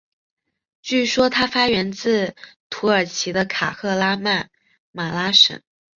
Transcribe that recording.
据说它发源自土耳其的卡赫拉曼马拉什。